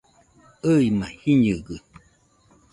ɨima jiñɨgɨ